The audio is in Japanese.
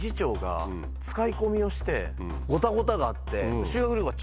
ごたごたがあって。